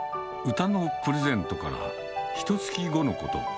歌のプレゼントからひとつき後のこと。